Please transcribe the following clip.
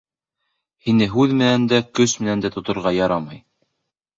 — Һине һүҙ менән дә, көс менән дә тоторға ярамай.